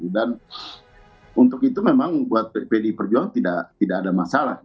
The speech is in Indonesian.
dan untuk itu memang buat pdip perjuangan tidak ada masalah